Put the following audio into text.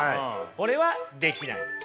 これはできないんです。